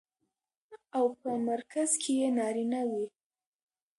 او په مرکز کې يې نارينه وي.